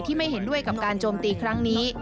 ไม่เห็นด้วยกับการโจมตีครั้งนี้